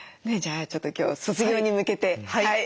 じゃあちょっと今日卒業に向けて。